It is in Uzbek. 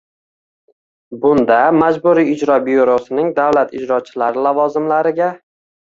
Bunda Majburiy ijro byurosining davlat ijrochilari lavozimlariga: